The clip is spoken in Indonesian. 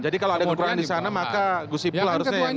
jadi kalau ada kekurangan di sana maka gus wipul harusnya yang melaporkan